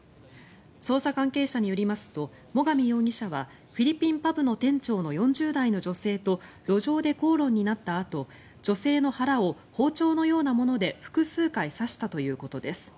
捜査関係者によりますと最上容疑者はフィリピンパブの店長の４０代の女性と路上で口論になったあと女性の腹を包丁のようなもので複数回刺したということです。